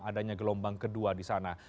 adanya gelombang kedua di sana